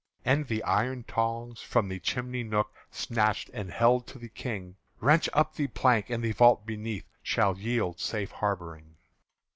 And the iron tongs from the chimney nook I snatched and held to the King: "Wrench up the plank! and the vault beneath Shall yield safe harbouring."